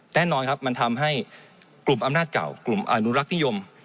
แน่นอนครับมันทำให้กลุ่มอำนาจเก่ากลุ่มอนุรักษ์นิยม